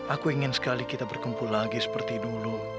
aku ingin sekali kita berkumpul lagi seperti dulu